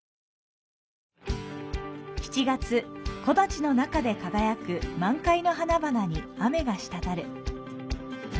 ７月、木立の中で輝く満開の花々に雨がしたたる。